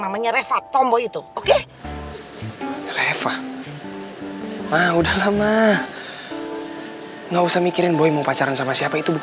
mama gak mau kamu pacaran sama reva nak